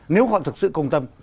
nếu họ thực sự công tâm